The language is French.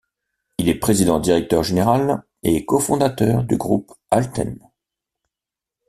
Il est président-directeur général et cofondateur du groupe Alten.